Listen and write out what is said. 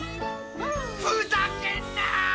ふざけるな！